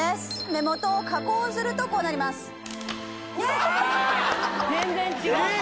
目元を加工するとこうなります・いや・全然違うええ